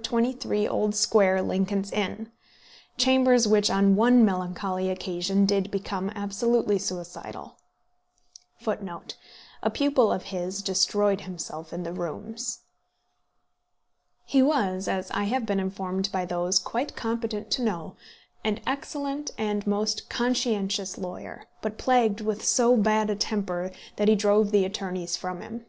23 Old Square, Lincoln's Inn, chambers which on one melancholy occasion did become absolutely suicidal. He was, as I have been informed by those quite competent to know, an excellent and most conscientious lawyer, but plagued with so bad a temper, that he drove the attorneys from him.